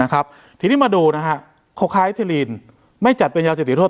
นะครับทีนี้มาดูนะฮะโคไครเทรลีนไม่จัดเป็นยาสิทธิทธรรม